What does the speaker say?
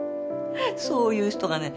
そういう人がね